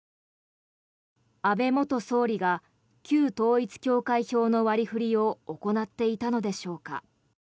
安倍元総理が旧統一教会票の割り振りを行っていたのでしょうか。